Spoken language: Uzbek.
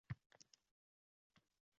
uni ham... jarimaga tortishdi...